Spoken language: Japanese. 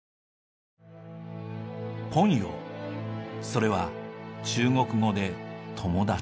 それは中国語で「友達」。